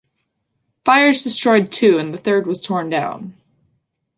Fires destroyed two and the third was torn down.